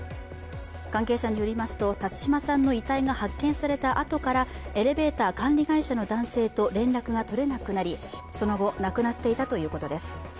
関係者によりますと辰島さんの遺体が発見されたあとからエレベーター管理会社の男性と連絡が取れなくなり、その後、亡くなっていたということです。